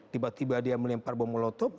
tiba tiba dia melempar bom molotop